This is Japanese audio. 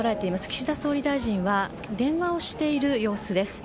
岸田総理大臣は電話をしている様子です。